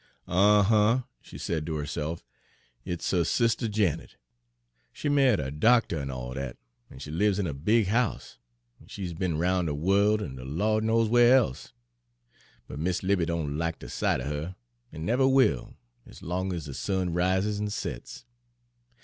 "Uhhuh!" she said to herself, "it's huh sister Janet! She ma'ied a doctuh, an' all dat, an' she lives in a big house, an' she's be'n roun' de worl' an de Lawd knows where e'se: but Mis' 'Livy don' like de sight er her, an' never will, ez long ez de sun rises an' sets.